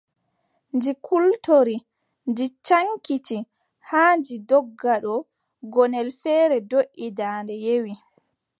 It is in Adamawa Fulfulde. Ɗi kultori, ɗi caŋkiti, haa ɗi ndogga ɗo, gonnel feere doʼi, daande yewi.